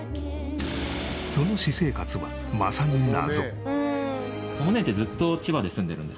その私生活はまさに謎。